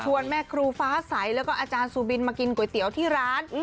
แม่ครูฟ้าใสแล้วก็อาจารย์ซูบินมากินก๋วยเตี๋ยวที่ร้าน